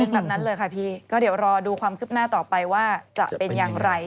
แบบนั้นเลยค่ะพี่ก็เดี๋ยวรอดูความคืบหน้าต่อไปว่าจะเป็นอย่างไร